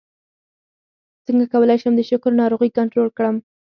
څنګه کولی شم د شکر ناروغي کنټرول کړم